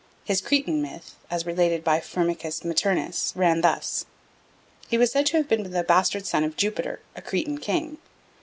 His Cretan myth, as related by Firmicus Maternus, ran thus. He was said to have been the bastard son of Jupiter, a Cretan king.